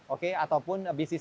oke ataupun bisnis